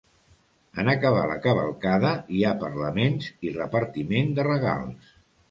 En acabar la cavalcada, hi ha parlaments i repartiment de regals.